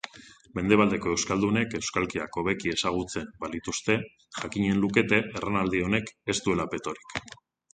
Mendebaldeko euskaldunek euskalkiak hobeki ezagutzen balituzte, jakinen lukete erranaldi honek ez duela petorik.